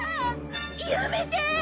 やめて！